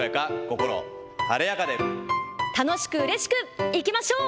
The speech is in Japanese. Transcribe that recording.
楽しく、うれしく、いきましょう。